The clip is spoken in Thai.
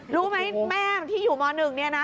รู้ไหมแม่ที่อยู่มณ๑